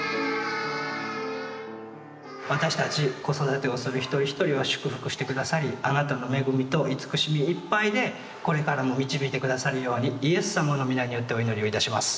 私たち子育てをする一人一人を祝福して下さりあなたの恵みと慈しみいっぱいでこれからも導いて下さるようにイエス様の御名によってお祈りをいたします。